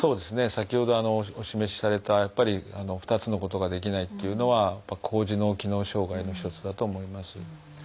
先ほどお示しされた２つのことができないというのは高次脳機能障害の一つだと思います。